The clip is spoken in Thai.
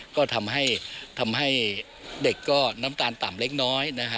ก็ทำให้เด็กก็น้ำตาลต่ำเล็กน้อย